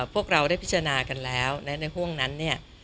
พวกเราได้พิจารณากันแล้วและในห่วงนั้นเนี่ย